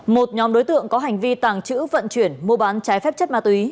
một nhóm đối tượng có hành vi tàng trữ vận chuyển mua bán trái phép chất ma túy